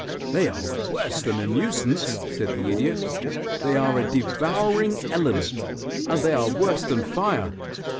"They are worse than a nuisance," said the Idiot. "They are a devouring element, and they are worse than fire.